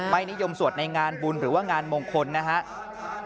ไม่นิยมสวดในงานบุญหรือว่างานมงคลนะครับ